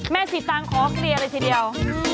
สีตางขอเคลียร์เลยทีเดียว